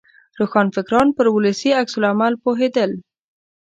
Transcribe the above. روښانفکران پر ولسي عکس العمل پوهېدل.